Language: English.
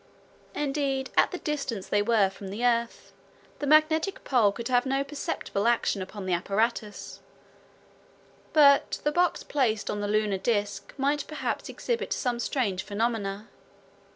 Indeed, at the distance they were from the earth, the magnetic pole could have no perceptible action upon the apparatus; but the box placed on the lunar disc might perhaps exhibit some strange phenomena.